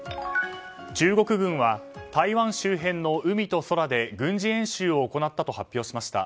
中国軍は台湾周辺の海と空で軍事演習を行ったと発表しました。